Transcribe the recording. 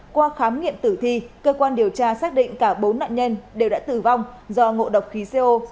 qua khám nghiệm tử thi cơ quan điều tra xác định cả bốn nạn nhân đều đã tử vong do ngộ độc khí co